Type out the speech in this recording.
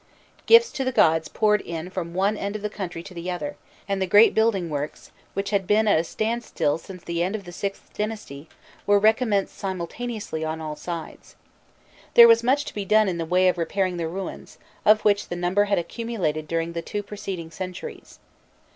Gifts to the gods poured in from one end of the country to the other, and the great building works, which had been at a standstill since the end of the VIth dynasty, were recommenced simultaneously on all sides. There was much to be done in the way of repairing the ruins, of which the number had accumulated during the two preceding centuries.